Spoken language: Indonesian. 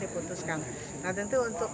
diputuskan nah tentu untuk